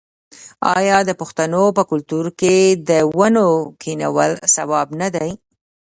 آیا د پښتنو په کلتور کې د ونو کینول ثواب نه دی؟